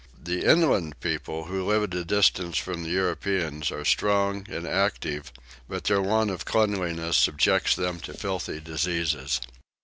The inland people, who live at a distance from the Europeans, are strong and active, but their want of cleanliness subjects them to filthy diseases.